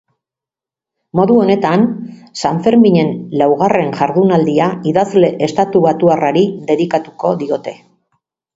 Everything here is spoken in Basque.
Modu honetan, sanferminen laugarren jardunaldia idazle estatubatuarrari dedikatuko diote.